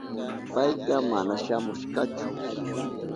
Payka mana shamushkachu.